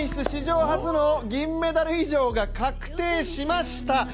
史上初の銀メダル以上が確定しました。